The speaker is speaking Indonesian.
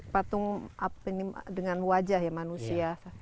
patung apa ini dengan wajah ya manusia